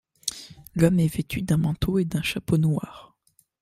L'homme est vêtu d'un manteau et d'un chapeau noirs.